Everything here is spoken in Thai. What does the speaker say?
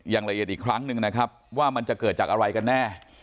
อย่างละเอียดอีกครั้งหนึ่งนะครับว่ามันจะเกิดจากอะไรกันแน่